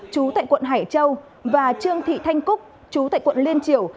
chú tại quận hải châu và trương thị thanh cúc chú tại quận liên triều